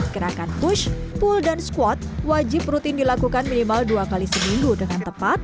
gerakan push pool dan squat wajib rutin dilakukan minimal dua kali seminggu dengan tepat